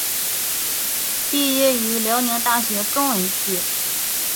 毕业于辽宁大学中文系。